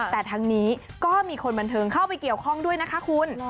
แต่ทั้งนี้ก็มีคนบันเทิงเข้าไปเกี่ยวข้องด้วยนะคะคุณ